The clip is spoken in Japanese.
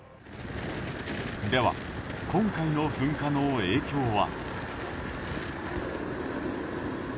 では、今回の噴火の影響は？